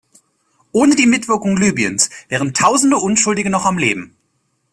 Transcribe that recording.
Ohne die Mitwirkung Libyens wären Tausende Unschuldige noch am Leben.